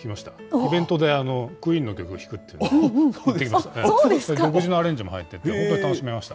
イベントでクイーンの曲弾くということで行ってきました。